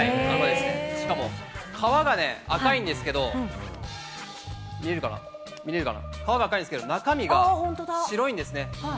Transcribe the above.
しかも皮がね、赤いんですけど、見えるかな、皮は赤いんですけど、中身が白いんですね。